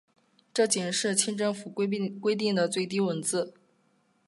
这仅是清政府规定的最低数字。